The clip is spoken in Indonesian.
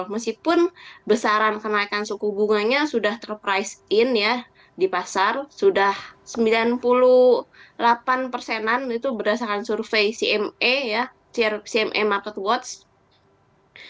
meskipun besaran kenaikan suku bunganya sudah ter price in ya di pasar sudah sembilan puluh delapan persenan itu berdasarkan survei cme ya cme market watch